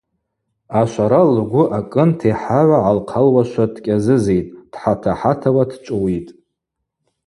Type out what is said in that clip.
Ашвара лгвы акӏын техӏагӏва гӏалхъалуазшва дкӏьазызитӏ, дхӏатахӏатауа дчӏвыуитӏ.